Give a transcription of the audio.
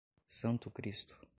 Santo Cristo